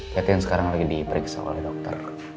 yaitu yang sekarang lagi diperiksa oleh dokter